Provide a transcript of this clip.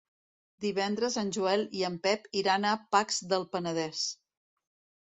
Divendres en Joel i en Pep iran a Pacs del Penedès.